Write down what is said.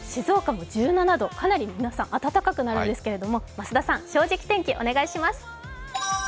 かなり皆さん暖かくなるんですけれども、増田さん、「正直天気」お願いします